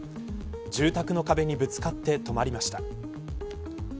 住宅の壁にぶつかって止まりました。